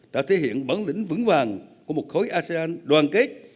đã thể hiện bản lĩnh vững vàng của một khối asean đoàn kết